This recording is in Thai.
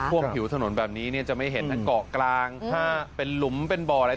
ท่วมผิวถนนแบบนี้เนี่ยจะไม่เห็นนะเกาะกลางถ้าเป็นหลุมเป็นบ่ออะไร